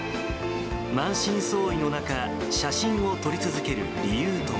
満身創痍の中、写真を撮り続ける理由とは。